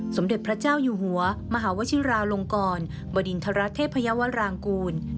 สมเด็จพระเจ้าอยู่หัวมหาวชิราลงกรบดินทรเทพยาวรางกูล